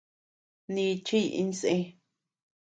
Nichiy insë.